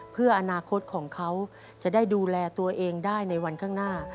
เพื่ออนาคตของเขาจะได้ดูแลตัวเองได้ในวันข้างหน้า